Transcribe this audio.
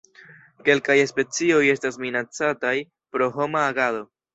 Kelkaj specioj estas minacataj pro homa agado.